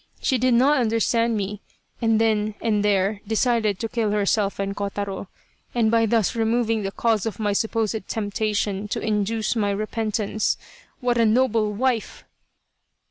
She did not understand me, and then and there decided to kill herself and Kotaro, and by thus removing the cause of my supposed tempta tion to induce my repentance. What a noble wife